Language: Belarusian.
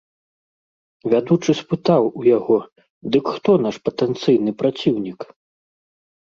Вядучы спытаў у яго, дык хто наш патэнцыйны праціўнік?